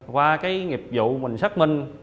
qua cái nghiệp vụ mình xác minh